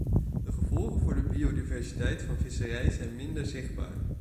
De gevolgen voor de biodiversiteit van visserij zijn minder zichtbaar.